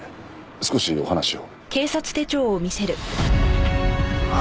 少しお話を。